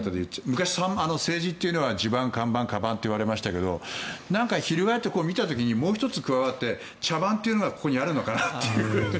昔、政治というのは地盤、看板、かばんといわれましたが翻って見た時にもう１つ加わって茶番というのはここにあるのかなという。